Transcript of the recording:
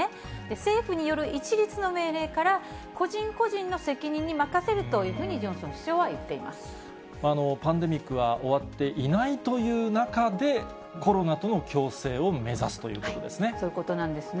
政府による一律の命令から、個人個人の責任に任せるというふうにジョンソン首相は言っていまパンデミックは終わっていないという中で、コロナとの共生を目指すということですね。